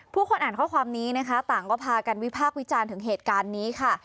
ผู้คนอ่านข้อความนี้นะคะต่างก็พากันวิพากษ์วิจารณ์ถึงเหตุการณ์นี้ค่ะ